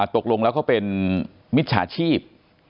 ตกลงแล้วเขาเป็นมิจฉาชีพ